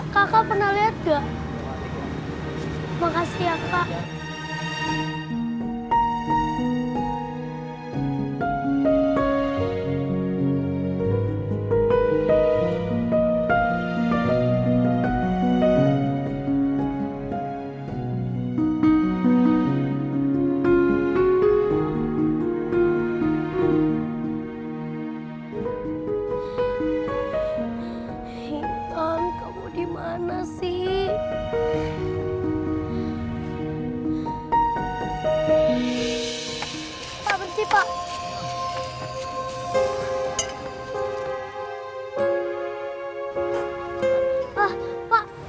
pak bantuin dulu pak